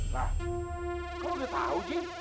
lah kamu udah tahu ji